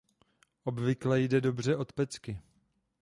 Obvykle jde dobře od pecky.